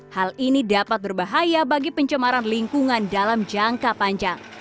hal ini dapat berbahaya bagi pencemaran lingkungan dalam jangka panjang